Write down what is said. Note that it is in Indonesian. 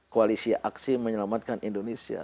koalisi aksi menyelamatkan indonesia